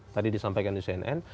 tadi disampaikan di cnn